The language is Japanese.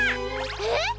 えっ！？